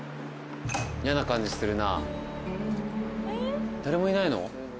嫌な感じするな誰もいないの？